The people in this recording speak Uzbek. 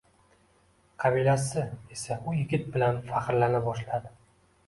Qabilasi esa u yigit bilan fahrlana boshladi